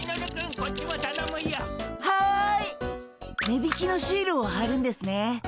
値引きのシールをはるんですね。